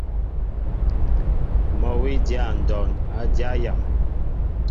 Mol wi dya ndɔn a dya yam.